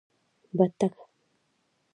🪿بته